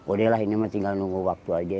udahlah ini mah tinggal nunggu waktu aja